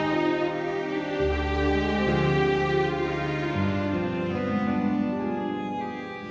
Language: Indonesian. nailah nailah nailah